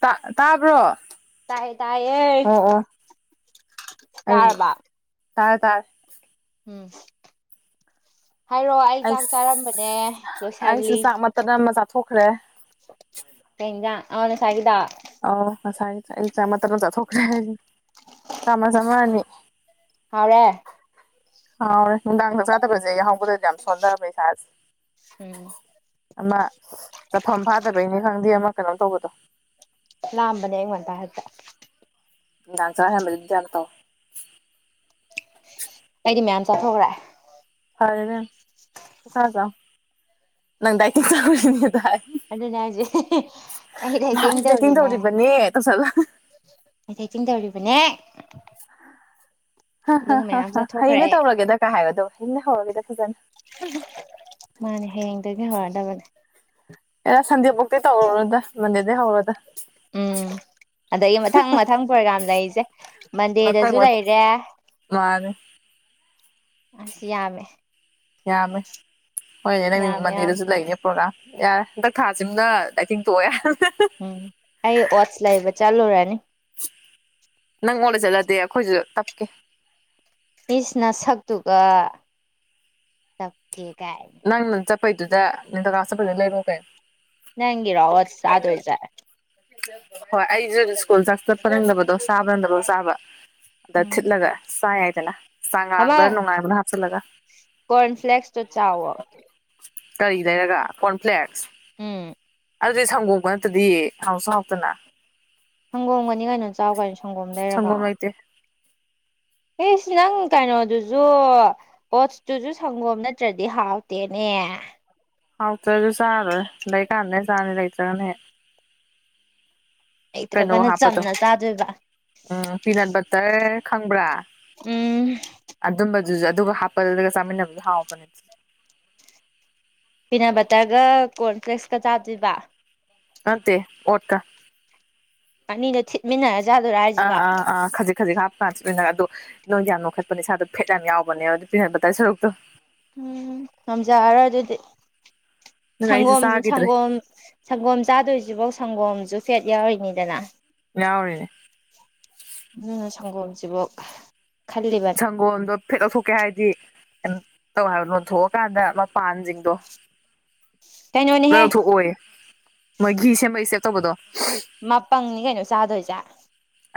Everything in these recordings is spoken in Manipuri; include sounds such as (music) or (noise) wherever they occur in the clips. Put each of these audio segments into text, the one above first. ꯇꯥ ꯇꯥꯕ꯭ꯔꯣ ꯇꯥꯏꯌꯦ ꯇꯥꯏꯌꯦ ꯑꯣ ꯑꯣ ꯑꯩꯗꯤ ꯇꯥꯔꯕ ꯇꯥꯔꯦ ꯇꯥꯔꯦ ꯎꯝ ꯍꯥꯏꯔꯛꯑꯣ ꯑꯩ ꯆꯥꯛ ꯑꯩꯁ ꯆꯥꯔꯝꯕꯅꯦ ꯑꯩꯁꯨ ꯂꯣꯏꯁꯜꯂꯤ ꯆꯥꯛ ꯃꯇꯠ ꯑꯃ ꯆꯥꯊꯣꯛꯈ꯭ꯔꯦ ꯀꯩ ꯏꯟꯖꯥꯡ ꯑꯣ ꯅꯁꯥꯏꯒꯤꯗꯣ ꯑꯥꯎ ꯉꯁꯥꯏꯒꯤꯗꯣ ꯑꯩ ꯆꯥꯛ ꯃꯇꯠ ꯑꯃ ꯆꯥꯊꯣꯛꯈ꯭ꯔꯦ ꯍꯩ ꯆꯥꯃꯁ ꯑꯃ ꯑꯅꯤ ꯍꯥꯎꯔꯦ ꯍꯥꯎꯔꯦ ꯅꯨꯡꯗꯥꯡ ꯆꯥꯛ ꯆꯥꯗꯕꯖꯦ ꯌꯥꯍꯧꯕꯒ ꯌꯥꯝ ꯁꯣꯟꯗꯕ ꯏꯁꯥꯥꯁꯤ ꯎꯝ ꯑꯃ ꯆꯠꯐꯝ ꯐꯥꯗꯕꯩꯅꯤ ꯈꯪꯗꯦ ꯑꯃ ꯀꯩꯅꯣꯝ ꯇꯧꯕꯗꯣ ꯂꯥꯝꯕꯅꯦ ꯑꯌꯨꯛ ꯉꯟꯇꯥ ꯍꯦꯛꯇ ꯅꯨꯡꯗꯥꯡ ꯆꯔꯥ ꯍꯦꯟꯕꯗꯤ (inaudible) ꯑꯩꯗꯤ ꯃꯌꯥꯝ ꯆꯥꯊꯣꯛꯈ꯭ꯔꯦ (unintelligible) ꯑꯗꯨꯅꯦ ꯍꯥꯏꯖꯦ ꯑꯩ ꯅꯍꯥꯟ ꯗꯥꯏꯇꯤꯡ ꯇꯧꯔꯤꯅꯦ ꯇꯧꯔꯤꯕꯅꯦ ꯇꯧꯁꯜꯂꯒ ꯑꯩ ꯗꯥꯏꯇꯤꯡ ꯇꯧꯔꯤꯕꯅꯦ ꯍ ꯍ ꯑꯗꯨꯒ ꯍ ꯃꯌꯥꯝ ꯍꯥ ꯆꯥꯊꯣꯛꯈ꯭ꯔꯦ ꯍꯌꯦꯡꯗꯩ ꯇꯧꯔꯒꯦꯗ ꯀꯥꯏ ꯍꯥꯏꯕꯗꯣ ꯍꯌꯦꯡꯅ ꯍꯧꯔꯒꯦꯗ ꯐꯖꯅ ꯃꯥꯅꯦ ꯍꯌꯦꯡꯗꯒꯤ ꯍꯧꯔꯗꯕꯅꯦ ꯑꯦ ꯁꯟꯗꯦ ꯕꯧꯇꯤ ꯇꯧꯔꯅꯨꯗ ꯃꯟꯗꯦꯗꯩ ꯍꯧꯔꯣꯗ ꯎꯝ ꯑꯗꯒꯤ ꯃꯊꯪ ꯃꯊꯪ ꯄ꯭ꯔꯣꯒꯥ꯭ꯔꯝ ꯂꯩꯔꯤꯖꯦ ꯋꯥꯊꯛ ꯃꯟꯗꯦꯗꯁꯨ ꯋꯥꯊ ꯂꯩꯔꯦ ꯃꯥꯅꯦ ꯑꯁ ꯌꯥꯝꯃꯦ ꯌꯥꯝꯃꯦ ꯍꯣꯏꯅꯦ ꯅꯪ ꯌꯥꯝꯃꯦ ꯌꯥꯝ ꯃꯟꯗꯦꯗꯁꯨ ꯂꯩꯅꯦ ꯄ꯭ꯔꯣꯒꯥ꯭ꯔꯝ ꯌꯥꯔꯦ ꯍꯟꯗꯛ ꯊꯥꯁꯤꯃꯅ ꯗꯥꯏꯇꯤꯡ ꯇꯣꯛꯑꯦ ꯎꯝ ꯑꯩ ꯑꯣꯠꯁ ꯂꯩꯕ ꯆꯠꯂꯨꯔꯅꯤ ꯅꯪ ꯑꯣꯠ ꯂꯩꯆꯠꯂꯗꯤ ꯑꯩꯈꯣꯏꯖꯨ ꯇꯞꯀꯦ ꯏꯁ ꯅꯁꯛꯇꯨꯒ ꯇꯞꯀꯦꯒꯥꯏ ꯅꯪꯅ ꯆꯠꯄꯩꯗꯨꯗ (inaudible) ꯆꯠꯄꯩꯗꯨꯗ ꯂꯩꯔꯣ ꯀꯩꯅꯣ ꯅꯪꯤꯔꯣ ꯍꯠꯁ ꯁꯥꯗꯣꯣꯏꯇꯥꯔꯦ ꯍꯣꯏ ꯑꯩꯁꯨ ꯁ꯭ꯀꯨꯜ ꯆꯥꯛ ꯆꯠꯄ ꯅꯗꯕꯗꯣ ꯆꯥꯕ ꯅꯪꯗꯕꯣ ꯆꯥꯕ ꯑꯗꯥ ꯎꯝ ꯊꯤꯠꯂꯒ ꯆꯥꯏꯥꯏꯗꯅ ꯆꯉꯥꯡꯗ ꯑꯃ ꯅꯨꯡꯉꯥꯏꯕꯅ ꯍꯥꯞꯆꯜꯂꯒ ꯀꯣꯔꯟ ꯐ꯭ꯂꯦꯛꯁꯇꯣ ꯆꯥꯎꯋꯣ ꯀꯔꯤ ꯂꯩꯔꯒ ꯀꯣꯔꯟꯐ꯭ꯂꯦꯛꯁ ꯎꯝ ꯑꯗꯨꯗꯤ ꯁꯪꯒꯣꯕ ꯅꯠꯇꯗꯤ ꯍꯥꯎꯁꯨ ꯍꯥꯎꯇꯅꯥ ꯁꯪꯒꯣꯝꯒꯅꯤ ꯀꯩꯅꯣ ꯆꯥꯎ ꯀꯩꯅꯣ ꯁꯪꯒꯣꯝ ꯂꯩꯔꯒ ꯁꯪꯒꯣꯝ ꯂꯩꯇꯦ ꯑꯦ ꯁꯤ ꯅꯪ ꯀꯩꯅꯣꯗꯨꯁꯨ ꯄꯣꯠꯁꯇꯨꯁꯨ ꯁꯪꯒꯣꯝ ꯅꯠꯇ꯭ꯔꯗꯤ ꯍꯥꯎꯇꯦꯅꯦ ꯑꯦ ꯍꯥꯎꯇ꯭ꯔꯁꯨ ꯆꯥꯔꯔꯣꯏ ꯂꯩꯀꯥꯟꯗꯅꯦ ꯆꯥꯅꯤ ꯂꯩꯇ꯭ꯔꯒꯅꯦ ꯍꯦꯛ ꯀꯩꯅꯣ ꯂꯩꯇ꯭ꯔꯒꯅ ꯍꯥꯞꯄꯗꯣ ꯆꯝꯅ ꯆꯥꯗꯣꯏꯕ ꯎꯝ ꯄꯤꯅꯠ ꯕꯠꯇꯔ ꯈꯪꯕ꯭ꯔꯥ ꯎꯝ ꯑꯗꯨꯁꯨ ꯑꯗꯨꯒ ꯍꯥꯞꯄꯜꯂꯒ ꯆꯥꯃꯤꯟꯅꯕꯁꯨ ꯍꯥꯎꯄꯅꯦ ꯑꯗꯨ ꯄꯤꯅꯥ ꯕꯇꯔꯒ ꯀꯣꯔꯟꯐ꯭ꯂꯦꯛꯁꯀ ꯆꯥꯗ꯭ꯣꯏꯕ ꯑꯠꯇꯦ ꯑꯣꯠꯀ ꯃꯤꯅꯥ ꯑꯥ ꯑꯥ ꯑꯥ ꯈꯖꯤꯛ ꯈꯖꯤꯛ ꯍꯥꯞꯀꯃꯤꯅ ꯑꯗꯣ ꯅꯣꯡ ꯌꯥꯝ ꯅꯣꯈꯠꯄꯅꯦ ꯏꯁꯥꯗꯣ ꯐꯦꯠ ꯌꯥꯝ ꯌꯥꯎꯕꯅꯦꯕ ꯑꯗꯨ ꯄꯤꯍꯟꯕ ꯇꯥꯏ ꯁꯔꯨꯛꯇꯣ ꯎꯝ ꯁꯖꯔꯣꯏ ꯑꯗꯨꯗꯤ ꯑꯗꯨꯅ ꯑꯩꯁꯨ ꯁꯪꯒꯣꯝꯁꯨ ꯆꯥꯈꯤꯗ꯭ꯔꯦ ꯁꯪꯒꯣꯝ ꯁꯪꯒꯣꯝ ꯆꯥꯗꯣꯏꯁꯤꯕꯧ ꯁꯪꯒꯣꯝꯁꯨ ꯐꯦꯠ ꯌꯥꯎꯔꯤꯅꯤꯗꯅ ꯌꯥꯎꯔꯤꯅꯦ ꯑꯗꯨꯅꯥ ꯁꯪꯒꯣꯝꯁꯤꯕꯨꯥꯎ ꯁꯪꯒꯣꯜꯗꯣ ꯐꯦꯠ ꯂꯧꯊꯣꯛꯀꯦ ꯍꯥꯏꯗꯤ ꯇꯧ ꯍꯥꯏꯕ ꯂꯣꯟꯊꯣꯛꯑꯀꯥꯟꯗ ꯃꯄꯥꯟꯁꯤꯡꯗꯣ ꯀꯩꯅꯣꯅꯦꯍꯦ ꯂꯧꯊꯣꯛꯑꯣ ꯃꯣꯏ ꯘꯤ ꯁꯦꯝꯃꯛꯏ ꯁꯦꯞ ꯇꯧꯕꯗꯣ ꯃꯄꯪꯅꯤ ꯀꯩꯅꯣ ꯆꯥꯗꯣꯏꯁꯦ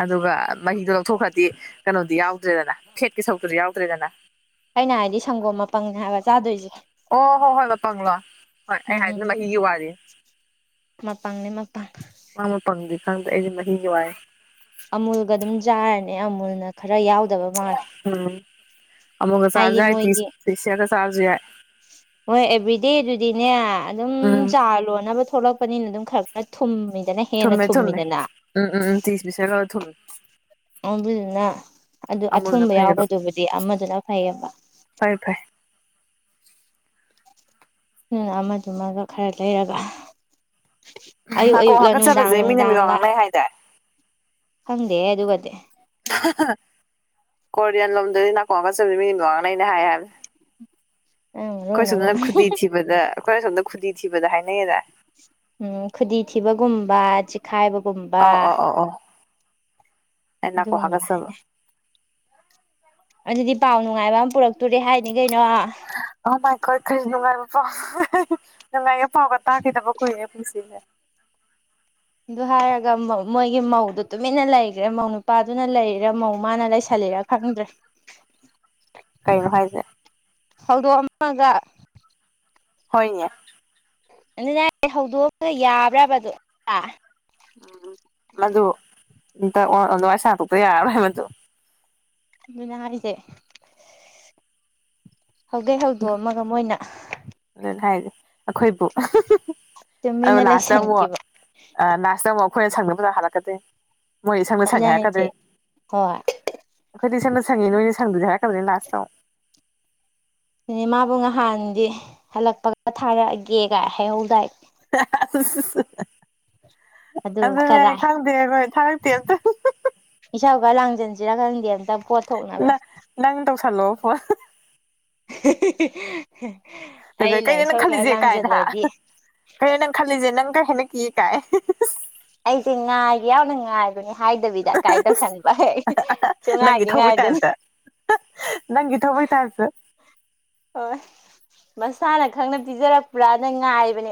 ꯑꯗꯨꯒ ꯃꯍꯤꯗꯣ ꯂꯧꯊꯣꯛꯈ꯭ꯔꯗꯤ ꯀꯩꯅꯣꯗꯤ ꯌꯥꯎꯗ꯭ꯔꯦꯗꯅ ꯐꯦꯠꯀꯤ ꯁꯔꯨꯛꯇꯨꯗꯤ ꯌꯥꯎꯗ꯭ꯔꯦꯗꯅ ꯑꯩꯅ ꯍꯥꯏꯗꯤ ꯁꯪꯒꯣꯝ ꯃꯄꯪꯅꯤ ꯍꯥꯏꯕ ꯆꯥꯗꯣꯏꯁꯦ ꯑꯣ ꯍꯣ ꯍꯣꯏ ꯍꯂ ꯄꯪꯂꯥ ꯍꯣꯏ ꯎꯝ ꯑꯩ ꯎꯝ ꯍꯥꯏꯗꯅꯒꯤ ꯋꯥꯔꯤꯦ ꯃꯄꯪꯅꯦ ꯃꯄꯪ ꯃꯃ ꯐꯪꯗꯦ ꯈꯪꯗ ꯑꯩꯗꯤ ꯃꯍꯒꯤꯋꯥꯏ ꯑꯃꯨꯜꯒ ꯑꯗꯨꯝ ꯆꯥꯔꯅꯤ ꯑꯃꯨꯜꯅ ꯈꯔ ꯌꯥꯎꯗꯕ ꯃꯥꯜꯂꯦ ꯑꯃꯒ ꯆꯥꯖ ꯍꯥꯏꯁ ꯑꯗ ꯆꯔꯖ ꯍꯣꯏ ꯑꯦꯚ꯭ꯔꯤꯗꯦ ꯑꯗꯨꯗꯤꯅꯦ ꯑꯗꯨꯝ ꯎꯝ ꯆꯥ ꯂꯣꯟꯅꯕ ꯊꯣꯛꯂꯛꯄꯅꯤꯅ ꯑꯗꯨꯝ ꯈꯔ ꯈꯔ ꯊꯨꯝꯃꯤ ꯊꯃꯦ ꯊꯨꯝꯃꯦ ꯎꯝ ꯎꯝꯝ ꯇꯤꯁ ꯁ ꯂ ꯊꯃꯦ ꯑ ꯄꯨꯅ ꯑꯗꯨ ꯑꯊꯨꯝꯕ ꯐꯩꯌꯦꯕ ꯌꯥꯎꯕꯗꯨꯕꯨꯗꯤ ꯑꯃꯗꯨꯅ ꯐꯩꯌꯦꯕ ꯐꯩ ꯐꯩ ꯎꯝ ꯑꯃꯁꯗꯨꯃꯒ ꯈꯔ ꯂꯩꯔꯒ ꯑꯌꯨꯛ ꯅꯥꯀꯣꯡ ꯑꯌꯨꯛꯂ ꯅꯨꯡꯗꯥꯡ ꯍꯥꯀꯠꯆꯕꯁꯦ ꯃꯤꯅ ꯃꯤꯋꯥ ꯅꯨꯡꯗꯥꯡꯂ ꯉꯥꯡꯅꯩ ꯍꯥꯏꯗꯥꯏ ꯈꯪꯗꯦ ꯑꯗꯨꯒꯗꯤ (unintelligible) ꯀꯣꯔꯤꯌꯥꯟ ꯂꯣꯝꯗꯗꯤ ꯅꯥꯀꯣꯡꯒꯉ ꯆꯁ ꯃꯤꯗꯣ ꯉꯅ ꯑꯩꯅ ꯍꯥꯏ ꯍꯥꯏꯕꯅꯦ ꯅꯪ ꯃꯔꯣꯟ ꯑꯩꯈꯣꯏ ꯑꯃ ꯁꯣꯝꯗꯅꯉ ꯈꯨꯗꯤ ꯊꯤꯕꯗ ꯑꯩꯈꯣꯏ ꯁꯣꯝꯗ ꯈꯨꯗꯤ ꯊꯤꯕꯗ ꯍꯥꯏꯅꯩꯌꯦꯗꯥ ꯎꯝ ꯈꯨꯗꯤ ꯊꯤꯕꯒꯨꯝꯕꯥ ꯆꯤꯈꯥꯏꯕ ꯑꯧ ꯑꯧ ꯑꯧ ꯑꯩ ꯅꯥꯀꯣꯡ ꯑꯗꯨꯒꯨꯝꯕꯗ ꯍꯥꯀꯠꯆꯕ ꯍꯥꯏꯅꯦ ꯑꯗꯨꯗꯤ ꯄꯥꯎ ꯅꯨꯡꯉꯥꯏꯕ ꯑꯃ ꯄꯨꯔꯛ ꯇꯨꯔꯦ ꯍꯥꯏꯅꯤ ꯀꯩꯅꯣ ꯑꯣ ꯃꯥꯏ ꯒꯣꯠ ꯀꯔꯤ ꯅꯨꯡꯉꯥꯏꯕ ꯄꯥꯎ ꯅ ꯂꯥꯏꯒ ꯄꯥꯎꯒ ꯇꯥꯈꯤꯗꯕ ꯀꯨꯏꯔꯦ ꯄꯨꯟꯁꯤꯅꯦ ꯑꯗꯨ ꯍꯥꯏꯔꯒ ꯃꯣꯏꯒꯤ ꯃꯧꯗꯨ ꯇꯨꯃꯤꯟꯅ ꯂꯩꯈ꯭ꯔꯦ ꯃꯧ ꯅꯨꯄꯥꯗꯨꯅ ꯂꯩꯔꯦ ꯃꯧ ꯃꯥꯅ ꯂꯩꯁꯜꯂꯦ ꯂꯩꯔ ꯈꯪꯗ꯭ꯔꯦ ꯀꯩꯅꯣ ꯍꯥꯏꯁꯦ ꯍꯧꯗꯣꯛꯑ ꯑꯃꯒ ꯍꯣꯏꯅꯦ ꯑꯗꯨꯅ ꯍꯧꯗꯣꯛꯑꯒ ꯌꯥꯕ꯭ꯔꯕꯗꯣ ꯎꯝ ꯃꯗꯨ ꯏ ꯋꯥꯔꯁ ꯍꯥ ꯇꯌꯥꯔ ꯍꯥꯏ ꯃꯠꯇꯣ ꯑꯗꯨꯅ (inaudible) ꯍꯧꯗꯩ ꯍꯧꯗꯣ ꯑꯃꯒ ꯃꯣꯏꯅ ꯑꯗꯨꯅ ꯍꯥꯏꯁꯦ ꯑꯩꯈꯣꯏꯕꯨ ꯑꯣ ꯇꯨꯃꯤꯟꯅ ꯂꯥꯁꯇ ꯑꯃꯨꯛ ꯂꯩꯁꯟꯈꯤꯕ ꯂꯥꯁꯇ ꯑꯃꯨꯛ ꯑꯩꯈꯣꯏꯅ ꯁꯪꯗ ꯐꯖꯅ ꯍꯥꯜꯂꯛꯀꯗꯦ ꯃꯣꯏ ꯁꯝꯅ ꯁꯪꯉꯦ ꯑꯗꯨꯅ ꯍꯥꯏꯔꯛꯀꯗꯦ ꯍꯥꯏꯁꯦ ꯍꯣꯏ ꯑꯩꯈꯣꯏꯗꯤ ꯁꯝꯅ ꯁꯪꯉꯤ ꯅꯣꯏ ꯊꯪꯗꯙꯔ ꯀꯗꯅꯦ ꯂꯥꯁꯇꯣ ꯑꯗꯨ ꯃꯥꯕꯨ ꯅꯍꯥꯟꯗꯤ ꯍꯜꯂꯛꯄꯒ ꯊꯥꯔꯛꯑꯒꯦꯒꯥꯏ ꯍꯍꯧꯗꯥꯏ (unintelligible) ꯑꯗꯨ ꯑꯗꯨꯅꯦ ꯀꯔꯥꯏ ꯈꯪꯗꯦ ꯑꯩꯈꯣꯏ ꯊꯥꯔꯛꯇꯦ ꯑꯇ ꯖꯟꯖꯤꯔ ꯈꯪꯗ ꯅ ꯅꯪ ꯇꯧꯁꯂꯣ ꯐ (unintelligible) ꯑꯩꯅ ꯀꯩꯅꯣ ꯅꯪ ꯏꯁꯧ ꯈꯔ ꯈꯜꯂꯤꯁꯦ ꯀꯥꯏꯅꯍ ꯂꯥꯡꯖꯜꯂꯗꯤ ꯀꯩꯅꯣ ꯅꯪ ꯈꯜꯂꯤꯁꯦ ꯅꯪ ꯍꯦꯅ ꯀ ꯌꯦ ꯇꯥꯏ ꯑꯥꯏꯗꯤ ꯏ ꯉ ꯍꯥꯏꯦ ꯌꯎꯅ ꯉ ꯍꯥꯏꯦ ꯑꯗꯨꯅꯤ ꯍꯥꯏꯗꯕꯤꯗ ꯀꯀꯥꯏ ꯇꯧꯁꯟꯕ ꯁꯨꯡ ꯉꯥꯏꯗꯤ ꯉꯥꯏꯗꯅ ꯅꯪꯒꯤꯤ ꯊꯧꯕꯣꯏ ꯊꯁ ꯍꯣꯏ ꯃꯁꯥꯅ ꯈꯪꯅꯕ ꯄꯤꯖꯔꯛꯄ꯭ꯔꯥ ꯅꯪ ꯉꯥꯏꯕꯅꯦ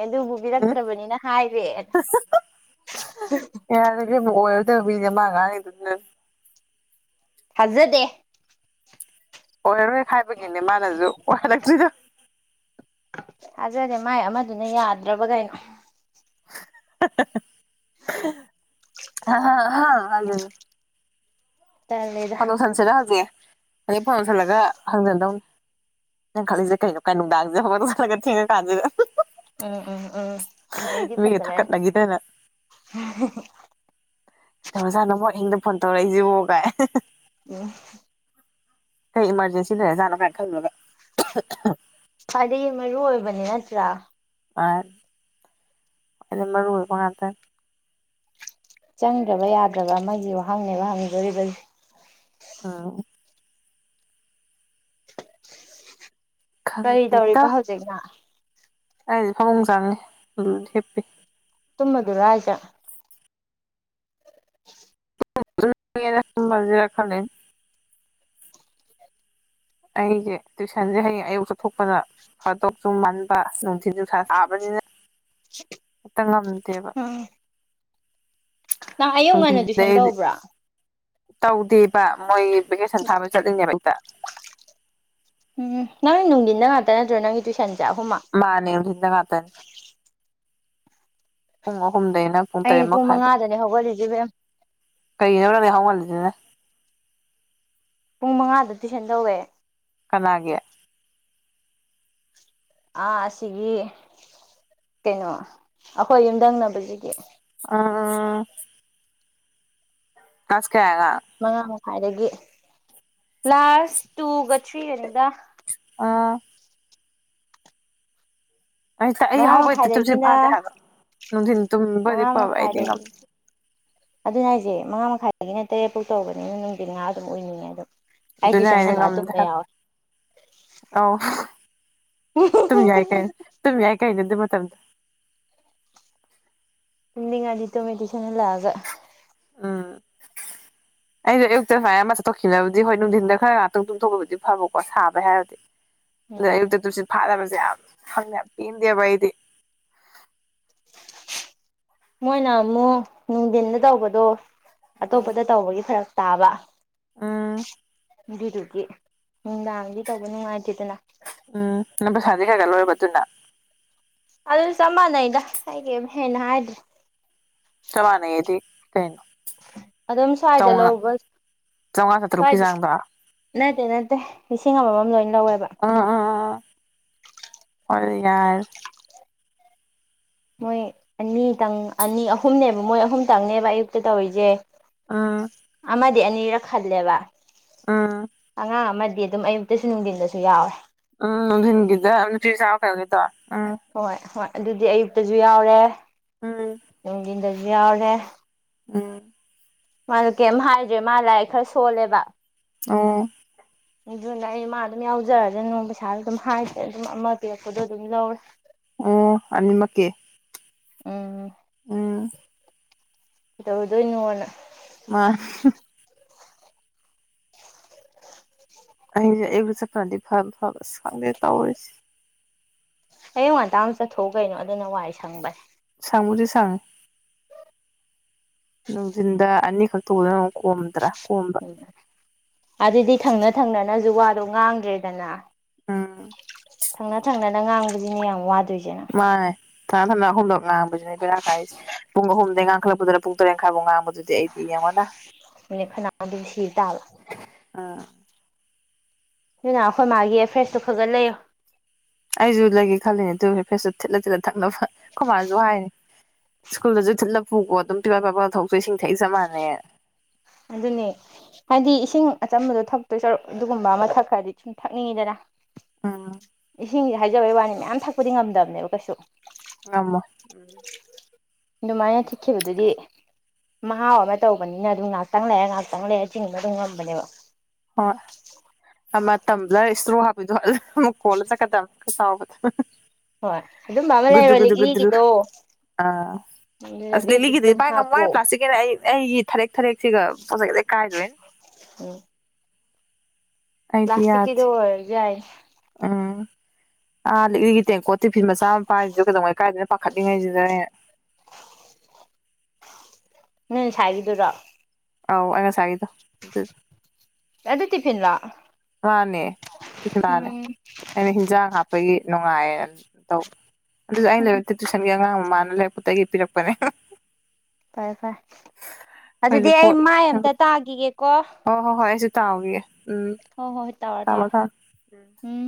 ꯎꯝ ꯑꯗꯨꯕꯨꯕꯤꯔꯛꯇ꯭ꯔꯕꯅꯤꯅ ꯍꯥꯏꯔꯦ ꯏꯗꯅ ꯃꯥ ꯀꯅꯤꯗꯨꯅ ꯊꯖꯗꯦ ꯑꯣꯏꯔꯔꯣꯏ ꯈꯥꯏꯕꯒꯤꯅꯦ ꯃꯥꯅꯁꯨ ꯑꯣꯏꯍꯜꯂꯛꯇ꯭ꯣꯏꯗ ꯑꯗꯨꯖꯗꯤ ꯃꯥꯏ ꯑꯃꯗꯨꯅ ꯌꯥꯗ꯭ꯔꯕꯒꯩꯣ ꯍ ꯍꯥꯏꯖꯦ ꯇꯜꯂꯦꯗ ꯐꯗꯧꯁꯟꯁꯤꯔ ꯍꯧꯖꯤꯛ ꯑꯗꯩ ꯐꯗꯧꯁꯜꯂꯒ ꯍꯪꯖꯟꯗꯧꯅꯤ ꯅꯪ ꯈꯜꯂꯤꯂꯤꯁꯦ ꯀꯩꯅꯣ ꯀꯥꯏ ꯅꯨꯡꯗꯥꯡꯁꯦ ꯍꯧꯐꯛ ꯆꯠꯂꯒ ꯊꯦꯡꯉ ꯀꯥꯟꯁꯤꯗ ꯎꯝ ꯎꯝ ꯎꯝꯩꯗꯤ ꯃꯤꯒ ꯐꯖꯂꯔꯦ ꯊꯛꯀꯠꯅꯈꯤꯗꯅ ꯀꯩꯗꯧꯔꯖꯥꯠꯅꯃꯣ ꯍꯤꯡꯗ ꯐꯣꯟ ꯇꯧꯔꯛꯏꯁꯤꯕꯒꯥꯏ ꯎꯝ ꯀꯩ ꯏꯃꯥꯔꯖꯦꯟꯁꯤ ꯂꯩꯔꯖꯥꯠꯅꯣ ꯀꯥꯏꯅ ꯈꯜꯂꯒ ꯍꯥꯏꯗꯤ ꯃꯔꯨ ꯑꯣꯏꯕꯅꯤ ꯅꯠꯇ꯭ꯔꯥ ꯑꯥ ꯑꯗꯨ ꯃꯔ ꯔꯨꯜꯕ ꯉꯗ ꯆꯪꯗ꯭ꯔꯕ ꯌꯥꯗ꯭ꯔꯕ ꯑꯃꯒꯤ ꯋꯥꯍꯪꯅꯦꯕ ꯍꯪꯕꯤꯗꯣꯔꯤꯕꯁ ꯑꯥ ꯀꯔꯤ ꯇꯧꯔꯤꯕ ꯍꯧꯖꯤꯛꯅ ꯑꯩꯁꯦ ꯐꯃꯨꯡ ꯆꯪꯉꯦ ꯍꯤꯞꯄꯤ ꯊꯨꯝꯃꯗꯣꯏꯔꯥ ꯍꯥꯏꯁꯦ ꯇꯨꯃꯖꯦꯔꯥ ꯈꯜꯂꯤꯅꯦ ꯑꯩꯁꯦ ꯇꯨꯏꯁꯟꯁꯦ ꯍꯌꯦꯡ ꯑꯌꯨꯛ ꯆꯠꯊꯣꯛꯄꯅꯥ ꯐꯥꯗꯧꯁꯨ ꯃꯟꯕ ꯅꯨꯡꯊꯤꯟ ꯅꯨꯡꯁꯥ ꯁꯥꯥꯕꯅꯤꯅ ꯑꯝꯇꯥ ꯉꯝꯗꯦꯕꯥ ꯎꯝ ꯅꯪ ꯑꯌꯨꯛ ꯉꯟꯅ ꯇꯨꯏꯁꯟ ꯇꯧꯕ꯭ꯔꯥ ꯇꯧꯗꯦꯕ ꯃꯣꯏ ꯚꯦꯀꯦꯁꯟ ꯊꯥꯕꯒꯤ ꯆꯠꯂꯤꯅꯦꯕ ꯑꯌꯨꯛꯇ ꯎꯝ ꯅꯪ ꯅꯨꯡꯊꯨꯟꯗ ꯉꯥꯛꯇꯥ ꯅꯠꯇ꯭ꯔꯣ ꯅꯪꯒꯤ ꯇꯨꯁꯟ ꯃꯥꯅꯦ ꯅꯨꯡꯊꯤꯟ ꯗ ꯉꯥꯛꯇꯥꯅꯤ ꯄꯨꯡ ꯑꯍꯨꯝ ꯑꯍꯨꯝꯗꯩꯅ ꯄꯨꯡ ꯑꯩ ꯇꯔꯦꯠ ꯃꯈꯥꯏꯐꯥꯎ ꯃꯉꯥꯗꯅꯦ ꯍꯧꯒꯠꯂꯤꯁꯦ ꯏꯕꯦꯝ ꯀꯩꯒꯤꯅꯣ ꯅꯪꯅ ꯌꯥꯍꯧ ꯉꯜꯂꯤꯁꯤꯅꯥ ꯄꯨꯡ ꯃꯉꯥꯗ ꯇꯨꯏꯁꯟ ꯇꯧꯋꯦ ꯀꯅꯥꯒꯤ ꯑꯥ ꯑꯁꯤꯒꯤ ꯀꯩꯅꯣ ꯑꯩꯈꯣꯏ ꯌꯨꯝꯊꯪꯅꯕꯁꯤꯒꯤ ꯑꯣ ꯀꯂ꯭ꯥꯁ ꯀꯌꯥꯒꯤ ꯑꯉꯥꯡ ꯃꯉꯥ ꯃꯈꯥꯏꯗꯒꯤ ꯀꯂ꯭ꯥꯁ ꯇꯨꯒ ꯊ꯭ꯔꯤꯒꯅꯤꯗ ꯎꯝ ꯑꯩꯛꯇ ꯑꯩ ꯃꯉꯥ ꯍꯥꯎꯕꯩꯇ ꯆꯨꯝꯁꯤ ꯃꯈꯥꯏꯗꯒꯤꯅ ꯐꯥꯗꯦ ꯍꯥꯏꯕꯣ ꯅꯨꯡꯊꯤꯟ ꯇꯨꯝꯕꯗꯤ ꯃꯉꯥ ꯐꯕ ꯑꯩꯗꯤ ꯉꯝꯗꯦ ꯑꯗꯨꯅꯦ ꯍꯥꯏꯖꯦ ꯃꯉꯥ ꯃꯈꯥꯏꯗꯒꯤꯅ ꯇꯔꯦꯠꯕꯨꯛ ꯇꯔꯕꯅꯤꯅ ꯅꯨꯡꯊꯤꯟ ꯉꯥ ꯑꯗꯨꯝ ꯎꯏꯅꯤꯡꯉꯦ ꯑꯗꯨꯝ ꯑꯩ ꯑꯗꯨꯅꯦ ꯇ꯭ꯨꯁꯟ ꯍꯥꯏꯁꯦ ꯍꯜꯂꯛꯑꯒ ꯉꯝꯗꯦ ꯊꯨꯝꯕ ꯍꯥꯏꯕ ꯌꯥꯎꯏ ꯑꯧ ꯇꯨꯝ ꯌꯥꯏ ꯀꯔꯤꯅꯣ ꯇꯨꯝ ꯌꯥꯏ ꯀꯔꯤꯅꯣ ꯑꯗꯨꯏ ꯃꯇꯝ ꯃꯥꯇꯝ ꯇꯨꯝꯅꯤꯡꯂꯗꯤ ꯇꯨꯝꯃꯦ ꯇꯨꯏꯁꯟ ꯍꯜꯂꯛꯑꯒꯥ ꯑꯩꯁꯣ ꯑꯌꯨꯛꯇ ꯁꯨꯃꯥꯏꯅ ꯑꯃꯊꯣꯛꯈꯤꯅꯕꯗꯤ ꯍꯣꯏ ꯅꯨꯡꯊꯤꯟꯗ ꯈꯔ ꯉꯥꯛꯇꯪ ꯇꯨꯝꯊꯣꯛꯕꯕꯨꯗꯤ ꯐꯕꯀꯣ ꯁꯥꯕꯩ ꯍꯥꯏꯔꯗꯤ ꯑꯗꯨꯗ ꯎꯝ ꯑꯌꯨꯛꯇꯥ ꯇꯨꯝꯁꯤꯠ ꯐꯥꯗꯕꯁꯦ ꯌꯥꯝ ꯍꯅ ꯄꯦꯟꯗꯦꯕ ꯑꯩꯗꯤ ꯃꯣꯏꯅ ꯑꯃꯨꯛ ꯅꯨꯡꯊꯤꯟꯗ ꯇꯧꯕꯗꯣ ꯑꯇꯣꯞꯄꯗ ꯇꯧꯕꯒꯤ ꯐꯔꯛ ꯇꯥꯕ ꯑ ꯑꯗꯨꯗꯨꯗꯤ ꯅꯨꯡꯗꯥꯡꯗꯤ ꯇꯧꯕ ꯅꯨꯡꯉꯥꯏꯇꯦꯗꯅ ꯅꯝꯕ ꯁꯥꯟꯗ ꯀꯩꯀ ꯂꯣꯏꯔꯕ ꯑꯗꯨꯅ ꯑꯗꯣ ꯆꯞ ꯃꯥꯟꯅꯩꯗ ꯑꯩꯅꯥ ꯀꯦꯝ ꯍꯦꯟꯅꯥ ꯍꯥꯏꯗꯔꯦ ꯆꯞ ꯃꯅꯥꯌꯦꯗꯤ ꯀꯩꯅꯣ ꯑꯗꯨꯝ ꯁ꯭ꯋꯥꯏꯗ ꯆꯥꯝꯃꯉꯥ ꯂꯧꯕ ꯆꯥꯝꯃꯉꯥ ꯆꯥꯇ꯭ꯔꯨꯛꯀꯤ ꯆꯥꯡꯗꯣ ꯅꯠꯇꯦ ꯅꯠꯇꯦ ꯂꯤꯁꯤꯡ ꯑꯃꯃꯥꯝ ꯂꯣꯏ ꯂꯧꯋꯦꯕ ꯍꯣꯏ ꯌꯥꯔꯦ ꯃꯣꯏ ꯑꯅꯤꯇꯪ ꯑꯅꯤ ꯑꯍꯨꯝꯅꯦꯕ ꯃꯣꯏ ꯑꯍꯨꯝꯇꯪꯅꯦꯕ ꯑꯌꯨꯛꯇ ꯇꯧꯔꯤꯁꯦ ꯑꯥ ꯗꯤ ꯑꯅꯤꯔꯛ ꯈꯜꯂꯦꯕ ꯎꯝ ꯑꯉꯥꯡ ꯑꯃꯗꯤ ꯑꯗꯨꯝ ꯑꯌꯨꯛꯇꯁꯨ ꯅꯨꯡꯊꯤꯟꯗꯁꯨ ꯌꯥꯎꯔꯦ ꯎꯝ ꯅꯨꯡꯊꯤꯟ ꯒꯤꯗ ꯅꯨꯄꯤ ꯃꯆꯥ ꯑꯃꯥ ꯀꯩꯅꯣꯒꯤꯗꯣ ꯎꯝ ꯍꯣꯏ ꯍꯣꯏ ꯑꯗꯨꯗꯤ ꯑꯌꯨꯛꯇꯁꯨ ꯌꯥꯎꯔꯦ ꯎꯝ ꯅꯨꯡꯊꯤꯟꯗꯁꯨ ꯌꯥꯎꯔꯦ ꯎꯝ ꯃꯥꯅ ꯀꯩꯝ ꯍꯥꯏꯗ꯭ꯔꯦ ꯃꯥꯅꯥ ꯂꯥꯏꯔꯤꯛ ꯈꯔ ꯁꯣꯜꯂꯦꯕ ꯑꯣ ꯑꯗꯨꯅ ꯑꯩ ꯃꯥ ꯑꯗꯨꯝ ꯌꯥꯎꯖꯔ꯭ꯁꯅꯣ ꯄꯩꯁꯥꯁꯨ ꯑꯗꯨꯝ ꯍꯥꯏꯗꯔ꯭ꯦ ꯑꯗꯨꯝ ꯑꯃ ꯄꯤꯔꯛꯄꯗꯣ ꯑꯗꯨꯝ ꯂꯧꯔꯦ ꯎ ꯑꯅꯤ ꯃꯛꯀꯤ ꯎꯝ ꯑ ꯀꯩꯗꯧꯗꯣꯏꯅꯣꯅ ꯃꯥ ꯑꯩꯁꯦ ꯑꯌꯨꯛ ꯆꯠꯄꯥꯅꯥꯗꯤ ꯐꯗꯤ ꯐꯕ ꯈꯪꯗꯦ ꯇꯧꯔꯤꯁꯦ ꯍꯌꯦꯌꯨ ꯉꯟꯇꯥꯃꯨꯛ ꯆꯠꯊꯣꯛꯎ ꯀꯩꯅꯣ ꯑꯗꯨꯅ ꯋꯥꯔꯤꯏ ꯁꯪꯕꯁ ꯁꯪꯗꯤ ꯁꯪ ꯅꯅꯨꯡꯖꯤꯟ ꯑꯅꯤ ꯈ ꯇꯗ ꯅ ꯀꯣꯝꯗ꯭ꯔꯥ ꯀꯣꯝꯕ ꯎꯝ ꯑꯗꯨꯗꯤ ꯊꯪꯅ ꯊꯪꯅꯅꯁꯨꯨ ꯋꯥꯗꯣ ꯉꯥꯡꯗ꯭ꯔꯦꯗꯅ ꯎꯝ ꯊꯪꯅ ꯊꯪꯅꯅ ꯉꯥꯡꯕꯁꯤꯅꯦ ꯌꯥꯝ ꯋꯥꯗꯣꯝ ꯏꯁꯦꯅꯪ ꯊꯥ ꯊꯥꯅ ꯑꯍꯨꯝꯂꯛ ꯉꯥꯡꯕꯁꯤꯅꯅꯦ ꯄꯦꯔꯥ ꯀꯥꯏꯁ ꯄꯨꯡ ꯑꯍꯗꯩ ꯉꯥꯡꯈꯠꯂꯛꯄꯗꯅ ꯄꯨꯡꯔꯦꯠꯈꯥꯏꯐꯥꯎ ꯉꯥꯡꯕꯗꯨꯗꯤ ꯑꯩꯗꯤ ꯌꯥꯝ (inaudible) ꯃꯤꯅ ꯈꯅꯥ ꯑꯗꯨꯝ ꯁꯤꯔ ꯇꯥꯕ ꯑꯥ ꯑꯗꯨꯅ ꯑꯩꯈꯣꯏ ꯃꯥꯒꯤ ꯑꯦꯗ꯭ꯔꯦꯁꯇꯨ ꯈꯒꯠ ꯂꯩꯌꯣ ꯑꯩꯁꯨ ꯂꯩꯒꯦ ꯈꯜꯂꯤꯅꯦ ꯑꯗꯨ ꯐꯦꯁ ꯊꯤꯠꯂ ꯊꯤꯠꯂ ꯊꯛꯅꯕ ꯈꯨꯃꯅꯁꯨ ꯍꯥꯏꯅꯤ ꯁ꯭ꯀꯨꯜꯗꯁꯨ ꯊꯤꯠꯂ ꯄꯨꯀꯣ ꯑꯗꯨꯝ ꯇꯤꯕꯥ ꯄꯥꯄꯗ ꯊ ꯊꯣꯛꯆ ꯏꯁꯤꯡ ꯊꯛꯏ ꯆꯞ ꯃꯥꯟꯅꯩ ꯑꯗꯨꯅꯦ ꯍꯥꯏꯗꯤ ꯏꯁꯤꯡ ꯑꯆꯝꯕꯗꯣ ꯊꯛꯇꯣꯏ ꯁꯔꯨꯛ ꯑꯗꯨꯒꯨꯝꯕ ꯑꯃ ꯊꯛ ꯈ꯭ꯔꯗꯤ ꯁꯨꯝ ꯊꯛꯅꯤꯡꯉꯤꯗꯅ ꯑꯥ ꯏꯁꯤꯡꯁꯦ ꯍꯥꯏꯖꯕꯩ ꯋꯥꯅꯤ ꯃꯌꯥꯝ ꯊꯛꯄꯗꯤ ꯉꯝꯗꯕꯅꯦꯕ ꯀꯩꯁꯨ ꯑꯃꯕ ꯎꯝ ꯏ ꯃꯥꯅ ꯊꯤꯈꯤꯕꯦꯕꯗꯨꯗꯤ ꯃꯍꯥꯎ ꯑꯃ ꯇꯧꯕꯅꯤꯅ ꯑꯗꯨꯝ ꯉꯥꯏꯍꯥꯛꯇꯪ ꯂꯥꯛꯔꯑꯦ ꯉꯥꯏꯍꯥꯛꯇꯪ ꯂꯩꯔꯦ ꯆꯤꯡꯕ ꯑꯗꯨꯝ ꯉꯝꯕꯅꯦꯕ ꯍꯣꯏ ꯃꯇꯝꯗ ꯏꯁꯇ꯭ꯔꯣ ꯍꯥꯞꯄꯤꯗꯣ ꯑꯃꯨꯛ ꯀꯣꯜꯂ ꯆꯠꯀꯗꯝꯕꯅꯤ ꯍꯣꯏ ꯑꯗꯨꯝꯕ ꯑꯃ ꯂꯩꯔꯣ ꯂꯤꯛꯂꯤꯒꯤꯗꯣ (unintelligible) ꯑꯗꯨꯅ ꯑꯁ ꯕꯦꯒꯇꯨꯗ ꯂꯒꯗ ꯑꯗꯨꯝ ꯄꯥꯏ ꯉ ꯍꯥꯞꯄꯣ ꯃꯣꯏ ꯄ꯭ꯂꯥꯁꯁꯤ ꯑꯩꯒꯤ ꯊꯥꯔꯦꯛ ꯊꯔꯦꯛꯁꯤꯒ ꯄꯣꯖꯩꯁꯦ ꯀꯥꯏꯗꯣꯏꯅꯦ ꯄ꯭ꯂꯥꯁꯇꯤꯀꯤꯗꯧꯕꯔꯖꯥꯏ ꯑꯥ ꯑꯥ ꯂꯤꯛꯂꯤꯒꯤ ꯇꯦꯡꯀꯣ ꯇꯤ ꯐꯤꯤꯟ ꯃꯆꯥ ꯃꯄꯥ ꯍꯥꯏꯁꯤꯁꯨ ꯀꯩꯗꯧꯉꯩ ꯀꯥꯏꯗꯅ ꯄꯥꯈꯠꯂꯤꯉꯩꯁꯤꯗ (inaudible) ꯎꯝ ꯁ ꯍꯥꯏꯕꯤꯗꯨꯔꯣ ꯑꯥꯎ ꯑꯉ ꯁꯥꯏꯗꯣ ꯑꯗꯨ ꯇꯤꯐꯤꯟꯂ ꯋꯥꯅꯦ ꯇꯗꯥꯅꯦ ꯑꯅꯤ ꯍꯖꯥ ꯍꯥꯞ ꯑꯩꯈꯣꯏꯒꯤ ꯅꯨꯡꯉꯥꯏ ꯇꯧ ꯑꯗꯨꯗ ꯑꯩꯅ ꯎꯝ ꯂꯥꯏꯕꯛꯇꯤ ꯇꯨꯏꯁꯟꯒꯤ ꯑꯉꯥꯡ ꯃꯃꯥꯅ ꯂꯩꯥꯏꯔꯤꯛꯄꯒꯤ ꯄꯤꯔꯛꯄꯅꯦ ꯐꯔꯦ ꯐꯔꯦ ꯍꯣꯏ ꯑꯗꯨꯗꯤ ꯑꯩ ꯔꯤꯄꯣꯔꯠ ꯃꯥꯏ ꯑꯝꯇ ꯇꯥꯈꯤꯒꯦꯀꯣ ꯇꯌꯦ ꯍꯣꯏ ꯍꯣꯏ ꯍꯣꯏ ꯇꯥꯔ ꯇꯥꯔ ꯎꯝ